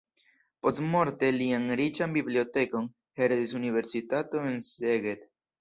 Postmorte lian riĉan bibliotekon heredis universitato en Szeged.